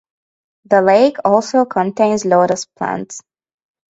The lake also contains lotus plants.